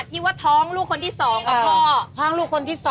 แผลเก่าก็มี